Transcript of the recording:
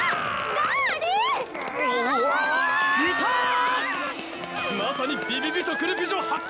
いたーっ！